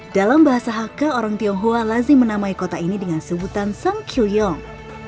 dalam bahasa hakka orang tionghoa lazim menamai kota ini dengan sebutan sangkyuyong